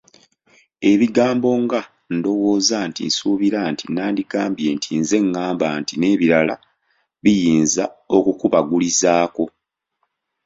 Ebigambo nga “ndowooza nti, nsuubira nti, nandigambye nti, nze ηηamba nti” n’ebirala biyinza okukubagulizaako.